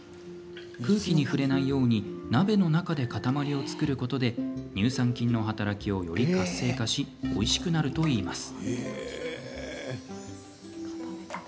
空気に触れないように鍋の中で塊を造ることで乳酸菌の働きをより活性化しおいしくなるといいます。